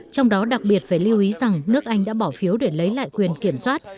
trong đó đặc biệt phải lưu ý rằng nước anh đã bỏ phiếu để lấy lại quyền kiểm soát